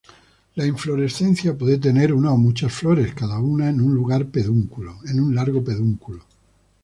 La inflorescencia puede tener una o muchas flores, cada una en un largo pedúnculo.